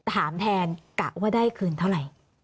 ถามแทนกะว่าได้คืนเท่าไหร่